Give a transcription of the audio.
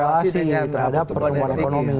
berkorelasi terhadap pertumbuhan ekonomi